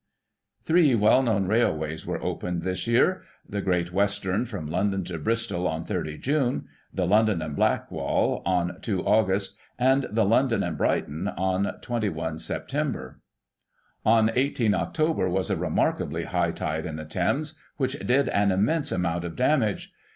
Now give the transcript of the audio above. Three well known railways were opened this year; the Great Western, from London to Bristol, on 30 June ; the London and Blackwall, on 2 Aug. ; and the London and Brighton, on 21 Sep. On 18 Oct. was a remarkably high tide in the Thames, which did an immense amount of damage.